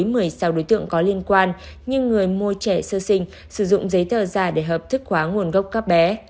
những người sau đối tượng có liên quan như người mua trẻ sơ sinh sử dụng giấy tờ già để hợp thức hóa nguồn gốc các bé